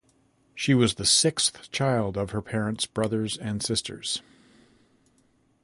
She was the sixth child of her parents brothers and sisters.